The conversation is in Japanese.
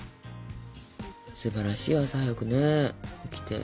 すばらしいよ朝早くね起きて。